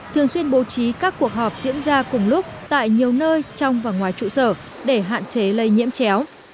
thường xuyên bố trí các cuộc họp diễn ra cùng lúc tại nhiều nơi trong và ngoài trụ sở để hạn chế lây nhiễm chéo